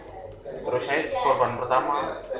terus saya korban pertama